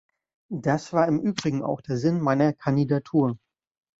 Das war im übrigen auch der Sinn meiner Kandidatur.